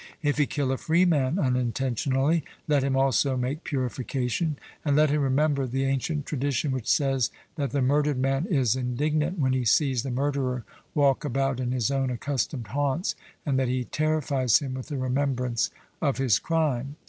If he kill a freeman unintentionally, let him also make purification; and let him remember the ancient tradition which says that the murdered man is indignant when he sees the murderer walk about in his own accustomed haunts, and that he terrifies him with the remembrance of his crime.